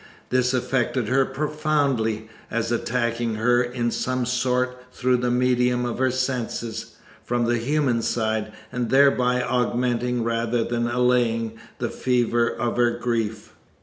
This affected her profoundly, as attacking her in some sort through the medium of her senses, from the human side, and thereby augmenting rather than allaying the fever of her grief."